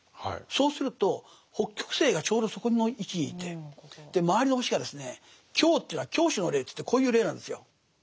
そうすると北極星がちょうどそこの位置にいて周りの星がですね「共」というのは拱手の礼といってこういう礼なんですよ。